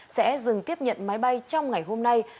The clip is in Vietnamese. sẽ dừng tiếp nhận máy bay trong ngày hôm nay